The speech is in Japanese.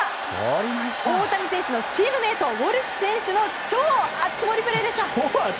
大谷選手のチームメートウォルシュ選手の超熱盛プレーでした。